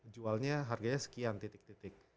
jualnya harganya sekian titik titik